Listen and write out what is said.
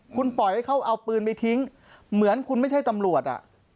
คุณปล่อยให้เขาเอาปืนไปทิ้งเหมือนคุณไม่ใช่ตำรวจ